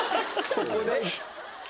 ここで？